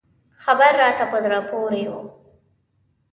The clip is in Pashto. خبر راته په زړه پورې و.